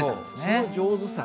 その上手さ。